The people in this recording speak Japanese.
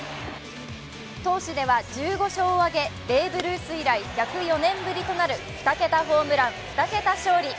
投手では１５勝を挙げ、ベーブ・ルース以来１０４年ぶりとなる２桁ホームラン、２桁勝利。